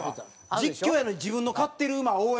実況やのに自分の買ってる馬を応援。